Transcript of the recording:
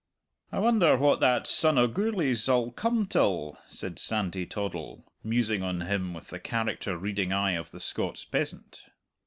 "I wonder what that son o' Gourlay's 'ull come till," said Sandy Toddle, musing on him with the character reading eye of the Scots peasant.